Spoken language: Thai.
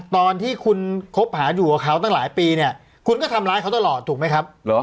ตอนที่คุณคบหาอยู่กับเขาตั้งหลายปีเนี่ยคุณก็ทำร้ายเขาตลอดถูกไหมครับ